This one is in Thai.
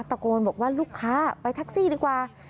ตะโกนบอกว่าลูกค้าไปแท็กซี่ดีกว่า